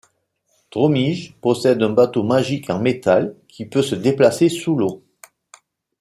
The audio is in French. Drawmij possède un bateau magique en métal qui peut se déplacer sous l'eau.